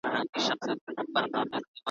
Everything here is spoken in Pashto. د هغه به څه سلا څه مشوره وي ,